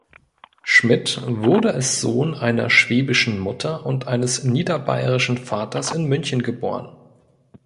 Schmid wurde als Sohn einer schwäbischen Mutter und eines niederbayerischen Vaters in München geboren.